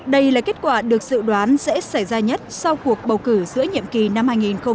đây là kết quả được dự đoán dễ xảy ra nhất sau cuộc bầu cử giữa nhiệm kỳ năm hai nghìn một mươi tám